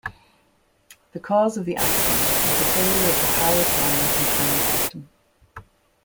The cause of the accident was the failure of the power flying control system.